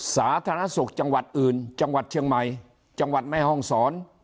สาธารณสุขจังหวัดอื่นจังหวัดเชียงใหม่จังหวัดแม่ห้องศร